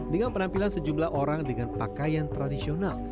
dengan penampilan sejumlah orang dengan pakaian tradisional